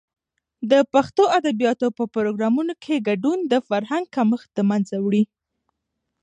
د پښتو ادبیاتو په پروګرامونو کې ګډون، د فرهنګ کمښت د منځه وړي.